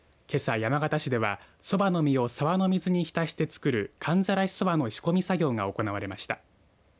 山形市ではそばの実を沢の水に浸して作る寒ざらしそばの仕込み作業が行われました。